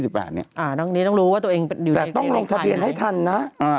แต่ต้องลงทะเบียนให้ทันนะ